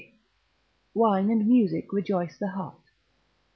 Wine and music rejoice the heart.